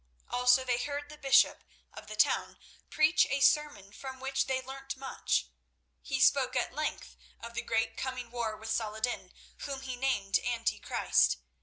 Also they heard the bishop of the town preach a sermon from which they learnt much. He spoke at length of the great coming war with Saladin, whom he named Anti Christ.